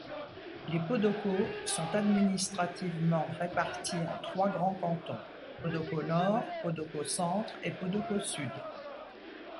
Les Podoko sont administrativement répartis en trois grands cantons: Podoko-Nord, Podoko-Centre, et Podoko-Sud.